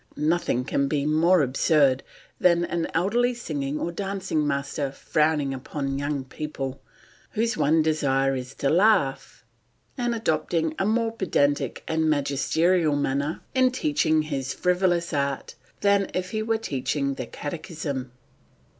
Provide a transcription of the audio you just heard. Nothing can be more absurd than an elderly singing or dancing master frowning upon young people, whose one desire is to laugh, and adopting a more pedantic and magisterial manner in teaching his frivolous art than if he were teaching the catechism.